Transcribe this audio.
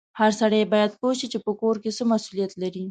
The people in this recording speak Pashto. هر سړی باید پوه سي چې په کور کې څه مسولیت لري